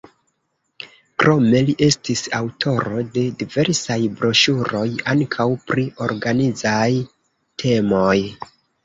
Krome li estis aŭtoro de diversaj broŝuroj, ankaŭ pri organizaj temoj.